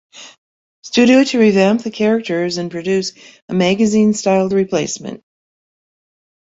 Studio to revamp the characters and produce a magazine styled replacement.